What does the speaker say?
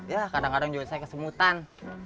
ya kadang kadang juga saya kesemutan